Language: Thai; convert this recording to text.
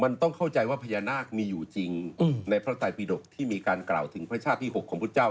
มันต้องเข้าใจว่าพญานาคมีอยู่จริงในพระไตรปิดกที่มีการกล่าวถึงพระชาติที่๖ของพุทธเจ้า